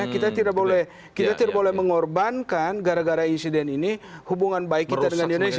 kita tidak boleh mengorbankan gara gara insiden ini hubungan baik kita dengan indonesia